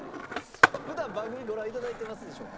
普段番組ご覧頂いてますでしょうか？